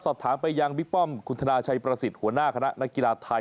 สอบถามไปยังบิ๊กป้อมคุณธนาชัยประสิทธิ์หัวหน้าคณะนักกีฬาไทย